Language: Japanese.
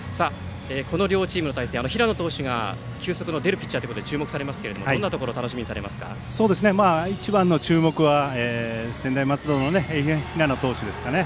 この両チームの対戦平野投手が球速の出るピッチャーということで注目されますがどんなところを一番の注目は専大松戸の平野投手ですかね。